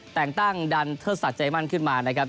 แต่งตั้งดันเทิดศักดิ์ใจมั่นขึ้นมานะครับ